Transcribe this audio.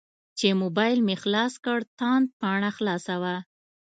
چې موبایل مې خلاص کړ تاند پاڼه خلاصه وه.